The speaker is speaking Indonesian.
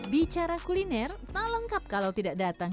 bicara kuliner tak lengkap kalau tidak datang